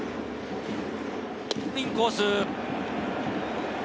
インコース。